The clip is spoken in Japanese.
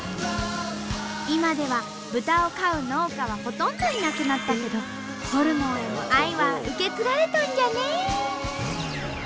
今では豚を飼う農家はほとんどいなくなったけどホルモンへの愛は受け継がれたんじゃね！